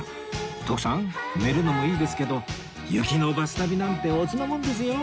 徳さん寝るのもいいですけど雪のバス旅なんて乙なもんですよ